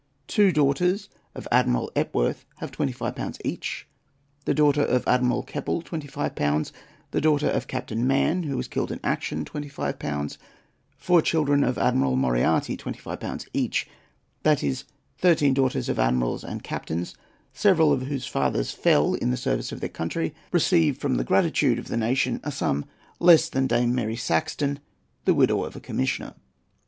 two daughters of Admiral Epworth have 25l. each, the daughter of Admiral Keppel 24£., the daughter of Captain Mann, who was killed in action, 25£., four children of Admiral Moriarty 25£. each. That is—thirteen daughters of admirals and captains, several of whose fathers fell in the service of their country, receive from the gratitude of the nation a sum less than Dame Mary Saxton, the widow of a commissioner.